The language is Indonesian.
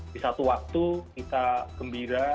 di satu waktu kita gembira